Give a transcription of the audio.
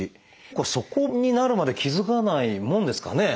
そこになるまで気付かないものですかね。